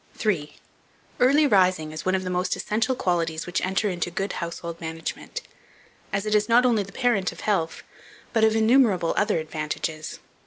3. EARLY RISING IS ONE OF THE MOST ESSENTIAL QUALITIES which enter into good Household Management, as it is not only the parent of health, but of innumerable other advantages.